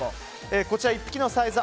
こちら１匹のサイズ